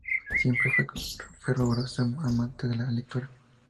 Siempre fue un fervoroso amante de la lectura.